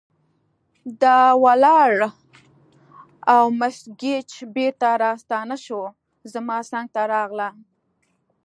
دا ولاړه او مس ګېج بیرته راستنه شوه، زما څنګ ته راغله.